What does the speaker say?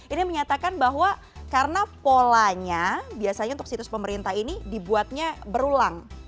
ini menyatakan bahwa karena polanya biasanya untuk situs pemerintah ini dibuatnya berulang